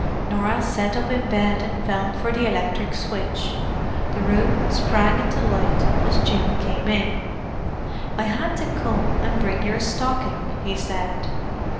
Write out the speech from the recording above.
Norah sat up in bed and felt for the electric switch. The room sprang into light as Jim came in. "I had to come and bring your stocking," he said.